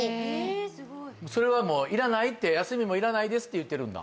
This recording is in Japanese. すごいそれはもういらないって休みもいらないですって言ってるんだ？